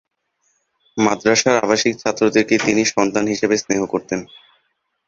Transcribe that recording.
মাদ্রাসার আবাসিক ছাত্রদেরকে তিনি সন্তান হিসেবে স্নেহ করতেন।